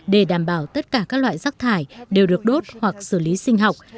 để đảm bảo tất cả các loại rác thải đều được đốt hoặc xử lý sinh học